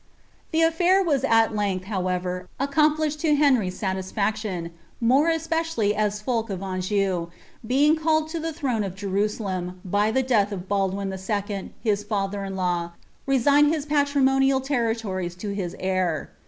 The affair was ut length, however, accom ; (i> hcfJ to Henry's mlisfkclioii, more especially as Fidk of Anjou, beinj called to the Uirone of Jenisakm. by the death of Baldwin IL Ilia fallier iii>law, resigned his palriraoiiial territories to his heir.